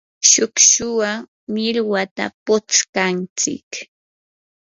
shukshuwan millwata putskantsik.